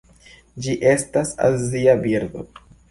Ĝi estas azia birdo.